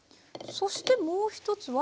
そしてもう一つは。